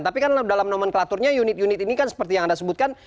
tapi kan dalam nomenklaturnya unit unit ini kan seperti yang anda sebutkan